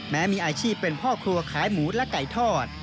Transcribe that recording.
แม้มีอาชีพเป็นพ่อครัวขายหมูและไก่ทอด